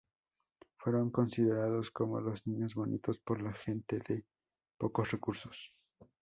Fueron considerados como los "niños bonitos" por la gente de pocos recursos.